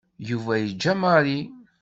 Yuba yeǧǧa Mary.